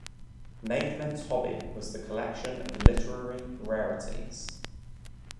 Maidment's hobby was the collection of literary rarities.